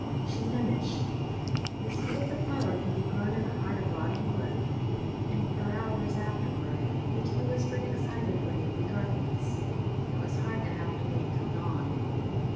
She finished: "The seed of the flower can be grown in the heart of rotting wood!" And for hours afterward the two whispered excitedly in the darkness. It was hard to have to wait till dawn.